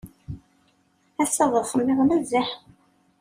Ass-a d asemmiḍ nezzeh.